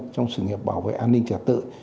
trong sự nghiệp bảo vệ an ninh trật tự